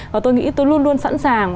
và tôi nghĩ tôi luôn luôn sẵn sàng